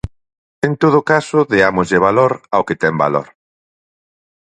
En todo caso, deámoslle valor ao que ten valor.